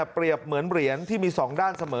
เหมือนเหรียญที่มี๒ด้านเสมอ